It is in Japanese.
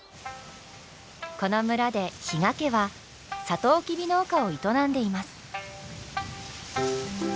この村で比嘉家はサトウキビ農家を営んでいます。